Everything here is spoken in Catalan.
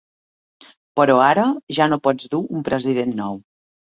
Però ara ja no pots dur un president nou.